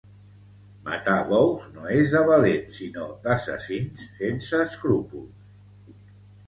Matar bous no és de valents sinó d'assassins sense escrupols